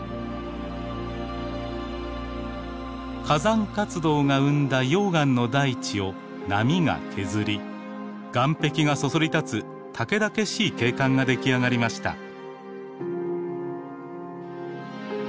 火山活動が生んだ溶岩の大地を波が削り岩壁がそそり立つたけだけしい景観が出来上がりました。